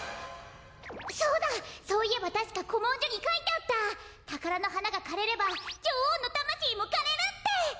そうだそういえばたしかこもんじょにかいてあった「たからのはながかれればじょおうのたましいもかれる」って！